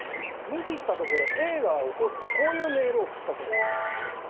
無視したところＡが怒ってこういうメールを送ったそうなんです。